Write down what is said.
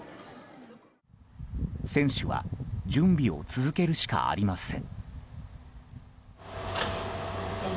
選手は準備を続けるしかありません。